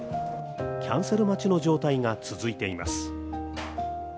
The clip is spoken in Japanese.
キャンセル待ちの状態が続いています。